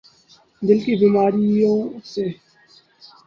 دل کی بیماریوں س